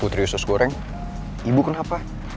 putri saus goreng ibu kenapa